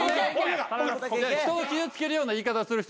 人傷つけるような言い方する必要